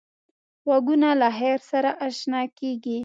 غوږونه له خیر سره اشنا کېږي